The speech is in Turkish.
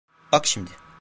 Bak şimdi.